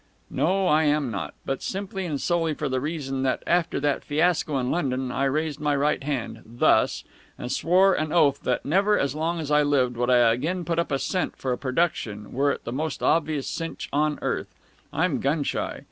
"No, I am not but simply and solely for the reason that, after that fiasco in London, I raised my right hand thus and swore an oath that never, as long as I lived, would I again put up a cent for a production, were it the most obvious cinch on earth. I'm gun shy.